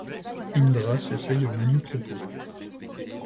Indra s'essaye aux menus propos.